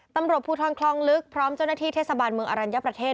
ตำรวจภูทรคลองลึกพร้อมเจ้าหน้าที่เทศบาลเมืองอรัญญประเทศ